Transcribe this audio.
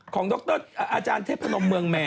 ดรอาจารย์เทพนมเมืองแมน